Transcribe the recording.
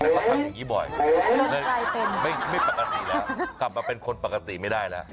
ที่บ่อยต้องทำอย่างงี้ไม่ได้กลับมาเป็นคนปกติไม่ได้แล้ว